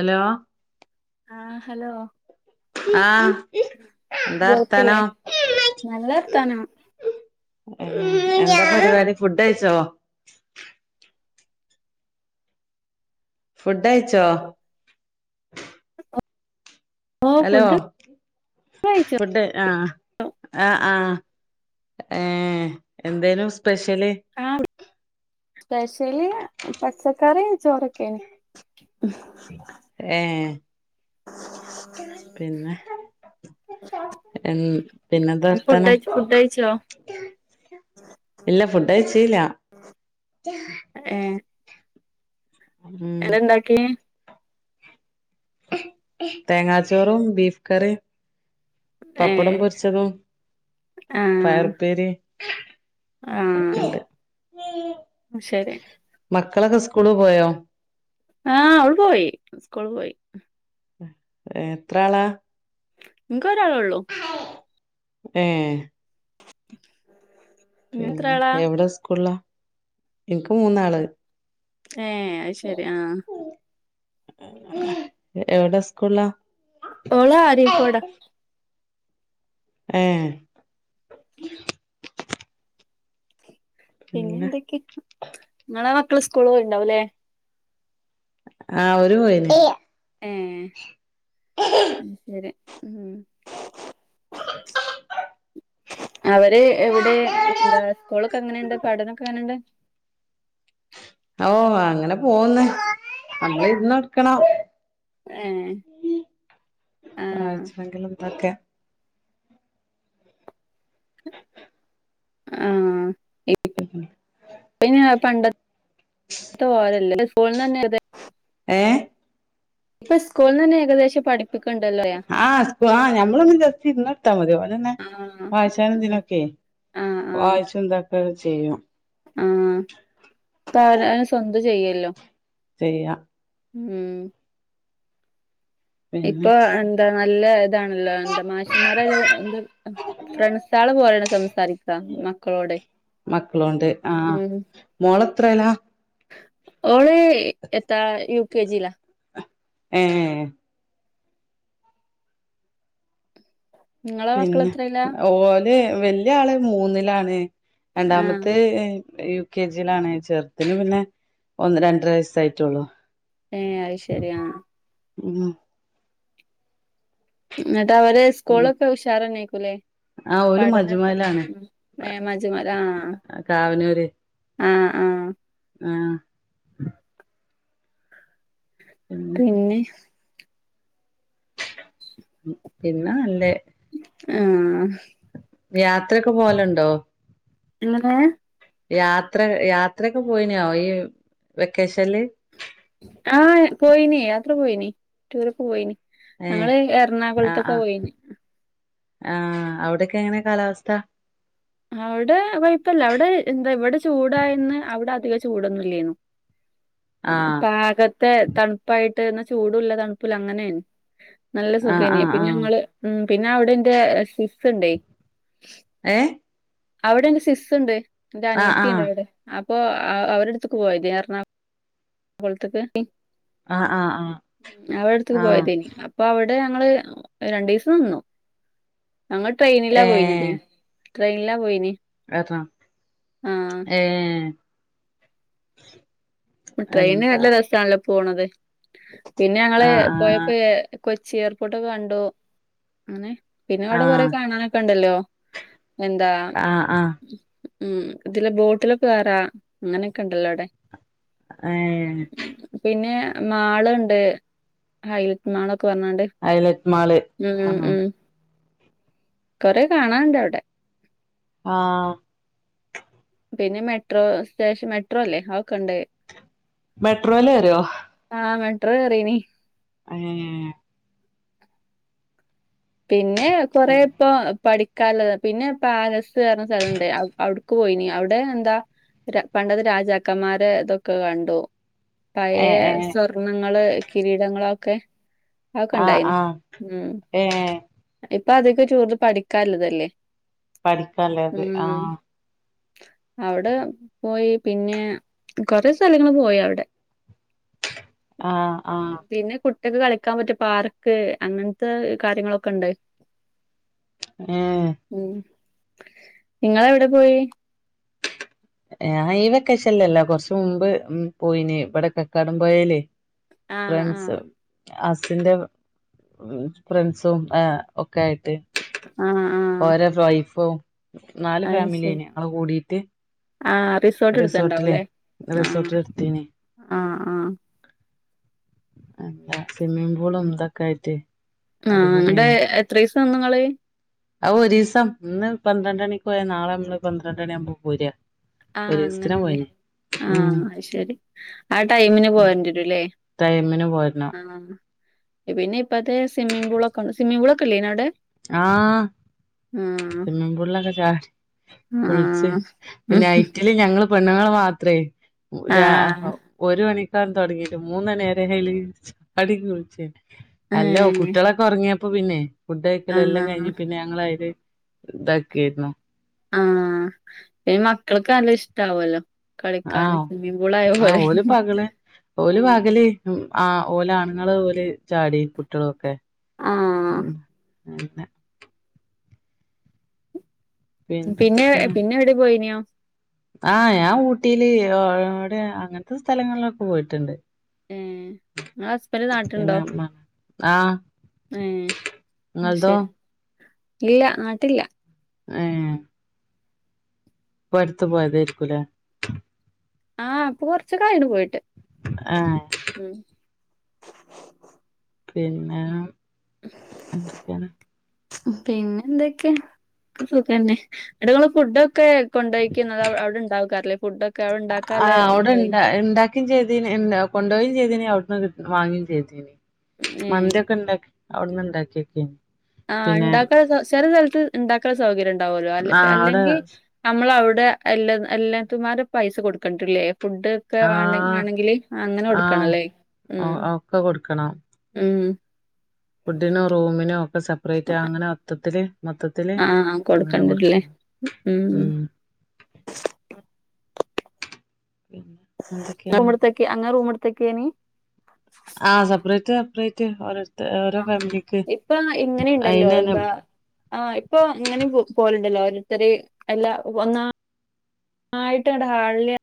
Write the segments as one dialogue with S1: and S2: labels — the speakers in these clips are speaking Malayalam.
S1: അ ലോ
S2: ആഹ് ഹലോ
S1: ആ
S2: കേൾക്കില്ലേ
S1: എന്താർത്ഥനം
S2: നല്ല വർത്താനം
S1: ന്താ പരിപാടി ഫുഡ്യച്ചോ ഫുഡ് അയച്ചോ
S2: ഓ
S1: ഹലോ
S2: ഫുഡ് കഴിച്ചോ
S1: ഫുഡ ആആ് ആ ഏ എന്തേനു സ്
S2: ആ സ്പെഷ്യലി പച്ചക്കറി ചോറൊക്കെയ
S1: ഏ പിന്നെ ഉം പിന്നെന്ത
S2: ഫുഡ്
S1: വർത്തനം
S2: കഴി ഫുഡ് കഴിച്ചോ
S1: ഇല്ല ഫുഡ് കഴചി ല
S2: എടെ ഇണ്ടാക്കി
S1: തേങ്ങാച്ചോറും ബീഫ് കറി പപ്പടം
S2: ഏഹ്
S1: പൊരിച്ചതും പയർ ഉപ്പേരി
S2: ആശരി
S1: മക്കളൊക്കെ സ്കൂള് പോയോ
S2: ആ അവൾ പോയി സ്കൂൾ പോയി
S1: എത്ര ആളാ
S2: ഒരാളൊള്ളൂ
S1: ഏഹ് പിന്നെ
S2: ഇങ്ങെത്രാളാ
S1: എവിടെ സ്കൂളിലാ ഇൻക്ക് മൂന്നാള്
S2: ഏഹ് അയ്ശരി ആഹ്
S1: എവിടൊ സ്കൂളാ
S2: ഓളാ അരീക്കോട
S1: ഏഹ്
S2: പിന്നെ എന്തൊക്കെയ നിങ്ങള ക്കള് സ്കൂള പോയിണ്ടാവുല്ലേ
S1: ആഹ് ഒരു പോയിണ്
S2: ഏഹ് ശരി ഉം അവര് ഇവിടെ എന്താ സ്കൂളൊക്കെ അങ്ങനെയുണ്ട് പഠനം ഒക്കെ അങ്ങനുണ്ട്
S1: ഓ അങ്ങനെ പോന്നു നമ്മൾ ഇര്ന്നോട്ക്കണം
S2: ഏഹ് ആഹ്
S1: വായ്ചെണെങ്കിലും ഇതൊക്കെ
S2: ആഹ് പണ്ട പോലല്ലേ സ്കൂൾ ന്നന്നെ അതെ
S1: ങ്ങെ
S2: ഇപ്പൊ സ്കൂളിൽന്ന്ന്നെ ഏകദേശം പഠിക്കു
S1: ആഹ ആഹ് ഞമ്മളൊന്ന് ജസ്റ്റ് ഇര്ന്നോട് ത്ത മതി ഓലന്നെ
S2: ആഹ്
S1: വായിച്ചാനെന്തിനൊക്കെ വായിച്ചുന്താക്ക ചെയ്യും
S2: ഉം ഇപ്പവനാന് സ്വന്തം ചെയ്യല്ലോ
S1: ചെയ്യാം
S2: ഉം
S1: പിന്നെ
S2: ഇപ്പൊ എന്താ അല്ലേ ഇതാണല്ലോ എന്താ മാഷന്മാരായലും എന്ത് ഫ്രണ്ട്സേളെ പോലേണ് സംസാരിക്ക മക്കളോടെ
S1: മക്കളോണ്ട് ആ
S2: ഉം
S1: മോളെത്രേലാ
S2: ഓള് എത്ത യുക്കെ ജില
S1: ഏഹ്
S2: നിങ്ങളെ മക്കള്
S1: പിന്നെ
S2: എത്രയിലാ
S1: ഓല് വല്യ ആള് മൂന്ന്ലാണ്
S2: ആഹ്
S1: രണ്ടാമത്തെ യു കെ ജിലാണ് ചെറുത് ന് പിന്നെ ഒന്ന് രണ്ടര വയസ്സായിട്ടൊള്ളു
S2: ഏഹ് അത് ശെരി ആഹ്
S1: ഉം
S2: അ [unintelligible] ത്ത അവര് സ്കൂളൊക്കെ ഉഷാറ തന്നക്കൂലേ
S1: ആ ഓല്
S2: പഠനൊക്കെ
S1: മജുമയിലാണ്
S2: ഉ മജുമല ആഹ
S1: കാവനൂര്
S2: ഫ ആഹ ആഹ
S1: ആഏ
S2: പിന്നെ
S1: പിന്നെ എല്ലറെ
S2: ആഹ
S1: യാത്രയൊക്കെ പോലുണ്ടോ
S2: എങ്ങെ
S1: യാത്ര യാത്രയൊക്കെ പോയിനയാോ ഈ വെക്കേഷനില്
S2: ആഹ പോയിനി യാത്ര പോയിനി ടൂരൊക്കെ പോയിന്
S1: ഏ
S2: ഞങ്ങള് എറണാകുളത്തൊക്കെ പോയിന്
S1: ആഹ അവിടെൊക്കെ എങ്ങനൊ കാലാവസ്ഥ
S2: അവിടെ കുഴപ്പല്ല അവിടെ എന്താ ഇവിടെ ചൂടായിന്ന് അവിടെ അധിക ചൂടൊന്നുംല്ലു
S1: ആ
S2: പാകത്തെ തണുപ്പായിട്ട് ചൂടുള്ള തണുപ്പല്ല അങ്ങനെയ നല്ല
S1: ആ ആ
S2: സുഖനേ
S1: ആ
S2: പിന്നെ ഞങ്ങള് ഉ പിന്നെ അവിടെറെ ണ്ടേ
S1: ഏ
S2: അവിടെ എന്റെ സിസ്ുണ്ട് ഇാന
S1: ആ ആ
S2: എത്തിയണ്ട് അവിടെ അപ്പൊ അവടെടുത്തക്ക് പോയത് എറണാ വത്തത്
S1: ആ ആ ആ
S2: അവിടെടുത്തക്ക്
S1: ആ
S2: പോയതേനി അപ്പൊ അവിടെ ഇവിടെ ഞങ്ങള് രണ്ടു ദിവസം നിന്നു അങ്ങ
S1: ഏ
S2: ട്രെയിനിലാ പോയിത് ട്രെയിനാ പോയിനി
S1: ത്ര ഏ ഉ
S2: ട്രെയിന് നല്ല രസാണല്ല പോണത പിന്നെ
S1: ആ
S2: ഞങ്ങള് പോയപ്പോ കൊച്ചി എയർപോർട്ടൊക്കെ കണ്ടോ അങ്ങനെ പിന്നെ
S1: ആ ആ
S2: അവിടെ കൊറെ കാണാനൊക്കെ ഉണ്ടല്ലോ എന്താ
S1: ആ ആ
S2: ഉം ഇതില് ബോട്ടില് കേറാം അങ്ങനൊക്കെ ഉണ്ടല്ലോ അവിടെ
S1: ആ
S2: ഉം, പിന്നെ മാളുണ്ട് ഹൈലൈറ്റ് മാള
S1: ഐലറ്റ് മാള് ഉം.
S2: കൊറെ കാണാൻ ഉണ്ട് അവിടെ
S1: ആഹ്
S2: പിന്നെ മെട്രോ സ്റ്റേഷൻ മെട്രോ അല്ലേ ഉണ്ട്
S1: മെട്രോയില്ല് വരോ
S2: എത്ര കേറിന് പിന്നെ ഏ കൊറെ ഇപ്പൊ പഠി [unintelligible] പിന്നെ പാലസ്. [unintelligible] സ്ഥലുണ്ട്. [unintelligible] [unintelligible] അവിടെ എന്താ പണ്ടത്തെ രാജാക്കന്മാരെ ഇതൊക്കെ കണ്ടു പഴയ
S1: ഏ ഏ
S2: സ്വർണങ്ങള് കിരീടങ്ങളൊക്കെ അതൊക്കെ
S1: ആ
S2: ഇണ്ടായിനു
S1: ആ
S2: ഉം
S1: ഏ ഏ
S2: ഇപ്പൊ അതൊക്കെ [unintelligible] പഠിക്കാനുള്ളതല്ലേ
S1: പഠിക്കാ ഉള്ളത് ആ
S2: അവിടെ പോയി പിന്നെ കൊറെ സ്ഥലങ്ങള് പോയി അവിടെ
S1: ആഹ് ആഹ്.
S2: കുട്ടികൾക്ക് കളിക്കാൻ പറ്റിയ പാർക്ക് അങ്ങനത്തെ കാര്യങ്ങളൊ കണ്ട്
S1: ഏഹ്
S2: നിങ്ങളെവിടെ പോയി
S1: [unintelligible] കൊറച്ച് മുമ്പ് പോയിന് ഇവിടെ കടംമ്പുഴയിലെ
S2: ആഹ് ആഹ്.
S1: ഹസ്സിന്റെ ഫ്രണ്ട്സും ഒക്കെ ആയിട്ട്
S2: ആഹ് ആഹ്
S1: ഓരേ വൈഫും. നാല് ഫാമിലിനെ ഞങ്ങള് കൂടി
S2: ആ റിസൾട്ട്‌ എടുത്തണ്ടാവും അല്ലേ
S1: റിസോർട്ടിൽ എടുത്തീനി
S2: ആ ആഹ്.
S1: അല്ല സ്വിമ്മിങ് പൂളും ഇതൊക്കെ ആയിട്ട്
S2: ആഹ് എന്തേ എത്രയ്സ് താന് നിങ്ങള്
S1: അ ഒരു ദിവസം ഇന്ന് പന്ത്രണ്ട് മണിക്ക് പോയാൽ നാ
S2: ആഹ് അങ്ങനെല്ലേ
S1: ഉം
S2: ആഹ് ശരി ആ ടൈമിന് പോരെണ്ടിവരുല്ലേ
S1: ടൈമിന് പോരണം
S2: ആഹ് പിന്നെ ഇപ്പത്തെ സിമീം പൂളൊക്ക് സിംമിം പൂളൊക്കെല്യേനൊ ഔടെ
S1: ആഹ് സ്വിമ്മിംഗ് പൂളിലൊക്കെ ചാടി കുളിച്ച്
S2: ആഹ് ഉം
S1: നൈറ്റില് ഞങ്ങ ങ്ങള് പെണ്ണുങ്ങങ്ങള് മാത്രെ മു രാ
S2: ആഹ്
S1: ഒരു തുടങ്ങിട്ട് മൂനണിരെ അയ്ല് ചാടിക്കുള് ച്ചേ നി അലോ
S2: ഏഹ്
S1: കുട്ടിളൊക്കെ ഒരങ്ങിയോ അപ്പ പിന്നെ ഫുഡ്‌ ലെല്ലാം കഴിഞ്ഞ്
S2: ആഹ്
S1: പിന്നെ ഞങ്ങളയ്ലെ ഇതാക്കേര്ന്നു
S2: ആഹ് ഇനി മക്കൾക്ക് നല്ല ഇഷ്ടാവല്ലോ കളിക്കാന്
S1: ആഹ്
S2: സ്വിമ്മിംഗ് പൂളായ
S1: ആ
S2: പോലെ
S1: ഓല് പകള് ഓല്
S2: ആഹ്
S1: പകല് ആഹ് ഓല് ആണുങ്ങള് ഓല് ചാടി കുട്ടികളൊക്കെ
S2: ആഹ്
S1: ഉം ന്നെ
S2: പിന്നെ പിന്നെ എവിടെ പോയിരുന്നോ
S1: ആഹ് ഞാ ഊട്ടിയില് ആ ഒ ഔട അങ്ങനത്ത സ്ഥലങ്ങളിലൊക്കെപോയിട്ട് ണ്ട്
S2: ഉം ന്നാ ഹസ്ബന്റ് നാട്ടിലണ്ടോ
S1: പിന്നെ മ ആഹ്
S2: ഏഹ്
S1: ഇങ്ങൾതോ
S2: അയ്ശരി ഇല്ല നാട്ടില്ല
S1: ഏഹ് പ്പ അടുത്ത് പോയതാരിക്കൂലേ
S2: ആഹ് അപ്പൊ കൊറച്ചക്കായനു പോയിട്ട്
S1: ആഹ്
S2: ഉം
S1: പിന്നേ
S2: പിന്നെ എന്തൊക്കെ സുഖന്നെ ന്നിട്ട്ങ്ങള് ഫുഡൊക്കെ കൊണ്ടോയ്ക്ക്ന്നത് അവിടെ ഇണ്ടാവക്കാരല്ലേ ഫുഡൊക്കെ അവിടെ
S1: ആ
S2: ഇണ്ടാക്കാല്ലെ
S1: അവിടെണ്ട
S2: ഇത്ണ്ടായില്ലേ
S1: ഇണ്ടാക്കി ചെയ്തിനിം എന്താ കൊണ്ടോയിം ചെയ്തിനി അവിടുന്ന് കി വാങ്ങി ചെയ്തീനിം
S2: ഏഹ്
S1: മന്തിയൊക്കെ ഇണ്ടാക്കി അവ്ട്ന്ന്‌ ഇണ്ടാക്കിയേക്കയ്നിം
S2: ആ ഇണ്ടാക്ക ചെല സഥലത്ത് ഇണ്ടാക്കാള്ള സൗകര്യം ഉണ്ടാവോല്ലോ അല്ല പി
S1: ആഹ് അവിടെ
S2: അല്ലെങ്കി നമ്മളവ് ടെ എല്ലാ എല്ലാത്ത്മാരെ പൈസ കൊടുക്കെണ്ടില്ലേ ഫുഡൊക്കെ വാണെ
S1: ആഹ്
S2: വാണെങ്കില് ആ അങ്ങനെ കൊടുക്കണല്ലേ ഉം
S1: ആഹ്
S2: ഉം
S1: ഫുഡിനോ റൂമിനോ ക്കെ സെപ്പറേറ്റ് അങ്ങനെ മൊത്തത്തില്
S2: ആഹ്
S1: അങ്ങനെ
S2: കൊടുക്കണ്ടട്ട്ല്ലേ
S1: കൊടുക്കണം
S2: ഉം
S1: പിന്നെ എന്തൊക്കെയാണ്
S2: ങ്ങള് കൊട്ത്തക്ക അങ്ങനെ റൂമ്ട് ത്തെക്കേനി
S1: ആഹ് സെപ്പ്റേ സെപ്പ്റേറ്റ്
S2: ആഹ് ഇപ്പ ഇങ്ങനെണ്ടല്ലോ
S1: അയിനന്നെ
S2: എന്താ ആഹ് ഇപ്പൊ ഇങ്ങനിം പോല്ണ്ടല്ലോ ര്തര് എല്ല ഒന്നാ ന്നായ്ട്ട് [unintelligible]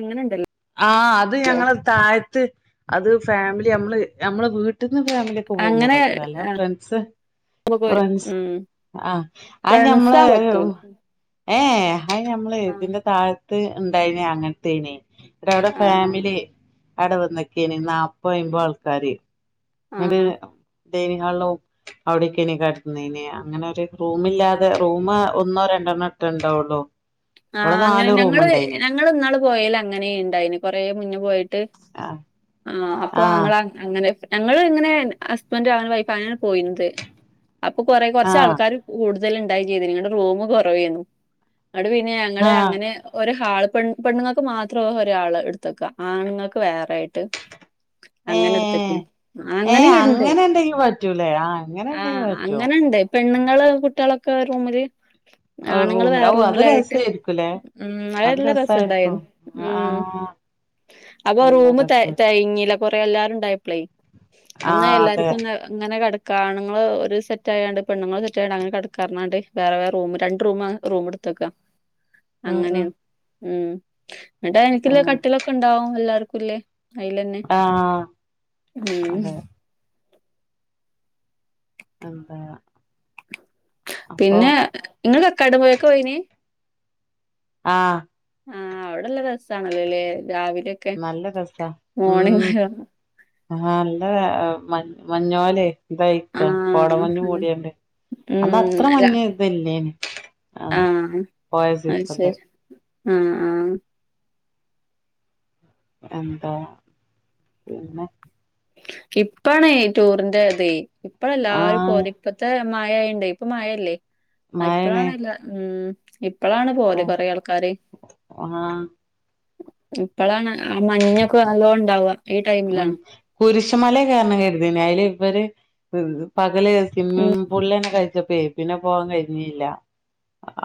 S2: അങ്ങനെണ്ടലോ
S1: ആഹ് അത് ഞങ്ങളെ താഴത്ത് അത് ഫേമിലി അമ്മള് നമ്മളെ വീട്ട് ന്ന് ഫേമിലി ഒക്കെ പോകുമ്പോ
S2: അങ്ങനെ
S1: പറ്റും അല്ലാതെ ഫ്രൺസ്
S2: പോരും
S1: ഫ്രൺസ്
S2: ഉം
S1: ആഹ് ആ ഞമ്മള്
S2: ഫ്രണ്ട്സാ പറ്റൂല
S1: ഏഹ് ഹാ അയ്ന് നമ്മള്
S2: ആഹ്
S1: ഇത്ന്റെ താഴ ത്ത് ഇണ്ടായ്നി അങ്ങൻത്തേനി ന്നട്ട് അവ്‌ടെ
S2: ആഹ്
S1: ഫേമിലി അടെ വന്നൊക്കെനി നാപ്പഹും അയ്ബഹും ആൾക്കാര് അത്
S2: ആഹ്
S1: ഡൈനിങ്ങ്ഹാളും അവ്ടെക്കെനി കെടന്നീന് അങ്ങനെ ഒര് റൂമില്ലാതെ റൂമ് ഒന്നോ രണ്ടണ്ണോ ഇട്ട്ണ്ടാവോള്ളോ
S2: ആഹ് അങ്ങനെ ഞങ്ങള് ഞങ്ങള് ഇന്നാള് പോയെല് അങ്ങനെ ഇണ്ടായിന് കൊറേ മുന്നേ പോയി ട്ട്
S1: ആഹ്
S2: ആഹ് ആ അപ്പൊ
S1: ആഹ്
S2: അങ്ങളാ അങ്ങനെ ഞങ്ങള് ഇങ്ങനെ ഹസ്ബന്റ അങനെ വൈഫ് അങ്ങനെയാണ് പോയിരുത് അപ്പൊ കൊറേ കുറച്ച
S1: ആഹ്
S2: ആൾക്കാർ കൂടു [unintelligible] ണ്ട് ഞങ്ങളടെ റൂം [unintelligible] അവി ഞങ്ങള
S1: ആഹ്
S2: അങ്ങനെ ഒര ആൾ പെ പെണ്ണുങ്ങക്ക് മാത്ര ഒരാൾ എടുത്തക്കുക ആണ്ണുങ്ങൾക്ക് വേറെ ആയിട്ട് അങ്ങനെ
S1: ഏഹ്
S2: എടുത്തൊക്കെയാണ്
S1: ഏഹ് അങ്ങനെ ഉണ്ടെങ്കിൽ പറ്റൂലേ അങ്ങനെ
S2: ആ
S1: ഉണ്ടെങ്കി പറ്റോ
S2: അങ്ങനെണ്ട് പെണ്ണുങ്ങള് കുട്ടികളൊക്കെ റൂമില് ആണുങ്ങള്
S1: ആറൂമ
S2: വേറെ
S1: അ അതെ [unintelligible]
S2: റൂമിലായിട്ട് ഉം അല്ല രസുണ്ടായിരുന്നു
S1: ആ
S2: ഉം അപ്പൊ റൂ
S1: നല്ല രസ
S2: തേഞ്ഞില്ല കുറെ എല്ലാരും ഉണ്ടായി അ
S1: ആ അതെ
S2: എല്ലാർക്കുങ്ങനെ ക- കാണങ്ങങ്ങള് ഒരു സെറ്റ് ആായതാണ്ട് പെണ്ുങ്ങൾ സെറ്റ് ആയണ്ട് അങ്ങനെ കടക്കറാണ്ട് വേറെ വേറെ റൂം രണ്ട് റൂം റൂം എടുത്തേക്കാ
S1: ഉം
S2: അങ്ങനെ
S1: ഉം
S2: ഉം എന്നട്ടാ എനിക്ക കട്ടിലൊക്കെ ഉണ്ടും എല്ലർക്കും കുലേ
S1: ആഹ
S2: ഉം
S1: അതെ അന്ത
S2: പിന്നെ നിങ്ങ കക്കാട പോയൊക്കെ പോയിന്
S1: ആഹ
S2: ആഹ അവിടെള്ള രസാണല്ലേല്ലേ രാവിലെ ക്കെ
S1: നല്ല
S2: മോർണിങ്
S1: ആ നല്ല മഞ്ഞോലെ ഇതക്ക കോട
S2: ആഹ്
S1: മഞ്ഞഞ് മൂടിയണ്ട് അന്ന്
S2: ഉം
S1: അത്ര
S2: ര
S1: മഞ്ഞ് ഇതല്ലേന ആ
S2: ആഹ്
S1: പോയ സീസല്ല
S2: ആഹ ആഹ
S1: എന്താ പിന്നെ
S2: ഇപ്പണ ടൂറിന്റെ അത ഇപ്പഴ
S1: ആ
S2: എല്ലാവരും പോ ഇപ്പത്തെ മായണ്ട് ഇപ്പൊ മായല്ലേ
S1: മഴേണ്
S2: ഇപ്പഴാണല്ല ഉ ഇ എപ്പോളാണ്
S1: ഓ
S2: പോല്െ കൊറെ ആൾക്കാര്
S1: ആഹ്
S2: ഇപ്പഴാണ് ആ മഞ്ഞൊക്കെ നല്ലോ ഉണ്ടാവുക
S1: ഉ കുരിശ പക്ഷ മലയ കാരണം കരുതി അതില് ഇവര് പകല സ പുുള്ളന്നെ കഴിച്ച പേപ്പിനെ പോവാാൻ കഴിഞ്ഞല്ല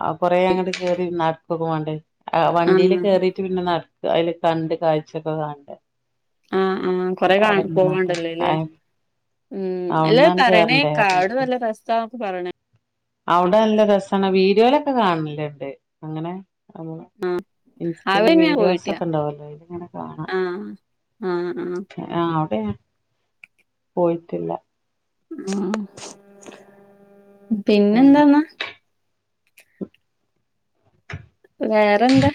S1: ആ കൊറേ അങ്ങോട്ട് കേയറി പകമാണ്ടേ ആ വണ്ടിയില്
S2: ആഹ്
S1: കേറിീട്ട് പിന്നെ നട അതില് കണ്ട് കാഴ്ചൊക്കെ കാണണ്ടെ
S2: ആ ആ കൊറെ കാ പോവാണ്ടല്ലോല്ലെ
S1: ആഹ്
S2: ഉം അല്ലാരും
S1: അവിട്ന്നാണ്ട്
S2: പറ ണേക്ക അവിടെ നല്ല രസ പറണെ
S1: അവടെ നല്ല രസാണ് വിഡിയൊലെ ഒക്കെ കാണല് ഇണ്ട് അങ്ങനെ നമ്മള് ഇൻസ്റ്റൽ
S2: അവിടെങ്ങനെ
S1: വീഡിയോസ്
S2: പോയിട്ടില്ല
S1: ഒക്കെ ഉണ്ടാവല്ലോ അയില് ഇങ്ങനെ കാണ
S2: ആഹ് ആഹ് ആഹ്
S1: അ [unintelligible] പോയിട്ടില്ല
S2: ഉ [inaudible]
S1: പിന്നെ
S2: പിന്നെന്താന്നാ വേറെന്താ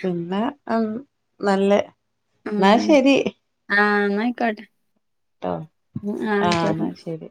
S1: ആ നല്ല എന്നാ
S2: ഉം
S1: ശരി
S2: ആ ന്നാ ആയിക്കോട്ടെ
S1: ട്ടോ ആ ന്നാ ശരി